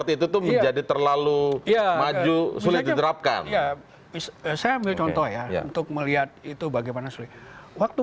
itu tuh menjadi terlalu maju sulit diterapkan saya ambil contoh ya untuk melihat itu bagaimana sulit waktu